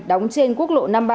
đóng trên quốc lộ năm mươi ba